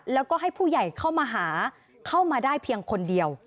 แล้วก็ให้ผู้ใหญ่เข้ามาหาเข้ามาได้เพียงคนเดียว